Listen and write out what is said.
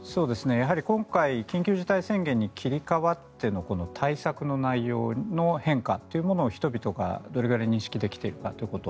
やはり、今回緊急事態宣言に切り替わっての対策の内容の変化というものを人々がどれぐらい認識できているかということ。